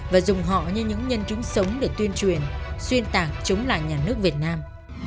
và dùng họ như những nhân chứng sống để tuyên truyền xuyên tạc chống lại nhà nước việt nam